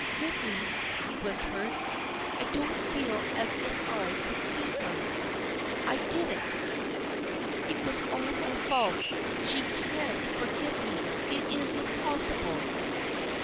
" Sydney," he whispered. " I don't feel as if I could see her ! I did it ! It was all my fault. She can't forgive me. It is impossible."